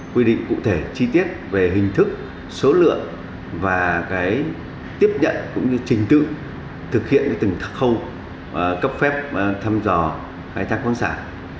quy định cụ thể chi tiết về hình thức số lượng và tiếp nhận cũng như trình tự thực hiện từng các khâu cấp phép thăm dò khai thác khoáng sản